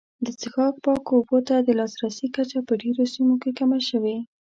د څښاک پاکو اوبو ته د لاسرسي کچه په ډېرو سیمو کې کمه شوې.